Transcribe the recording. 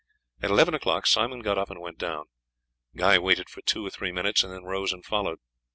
At eleven o'clock Simon got up and went down; Guy waited for two or three minutes and then rose and followed.